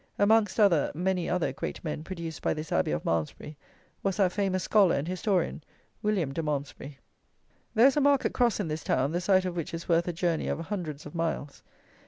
Amongst other, many other, great men produced by this Abbey of Malmsbury was that famous scholar and historian, William de Malmsbury. There is a market cross in this town, the sight of which is worth a journey of hundreds of miles.